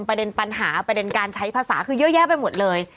ประเด็นปัญหาประเด็นการใช้ภาษาคือเยอะแยะไปหมดเลย